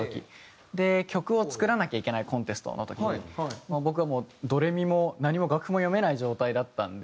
で曲を作らなきゃいけないコンテストの時に僕はもうドレミも何も楽譜も読めない状態だったので。